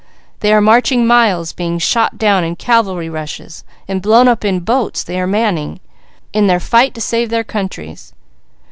They are marching miles, being shot down in cavalry rushes, and blown up in boats they are manning, in their fight to save their countries.